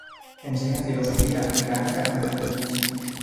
Enseña filosofía, mecánica y ciencias.